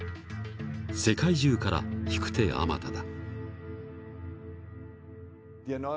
世界中から引く手あまただ。